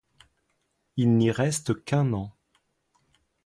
Il n'y reste qu’un an.